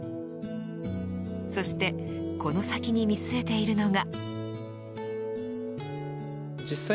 そして、この先に見据えているのが。